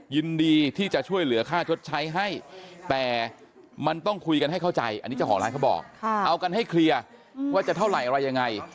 ยินดีที่จะช่วยเหลือค่าชดใช้ให้แต่มันต้องคุยกันให้เข้าใจอันนี้เจ้าของร้านเขาบอกเอากันให้เคลียร์ว่าจะเท่าไหร่อะไรยังไง